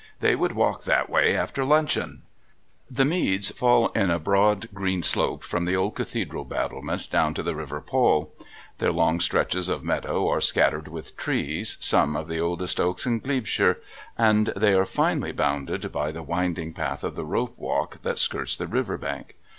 They would walk that way after luncheon. The Meads fall in a broad green slope from the old Cathedral battlement down to the River Pol. Their long stretches of meadow are scattered with trees, some of the oldest oaks in Glebeshire, and they are finally bounded by the winding path of the Rope Walk that skirts the river bank.